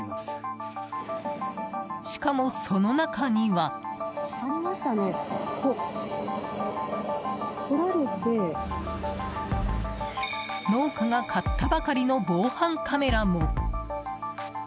しかも、その中には農家が買ったばかりの防犯カメラも。